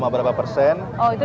sepuluh berapa persen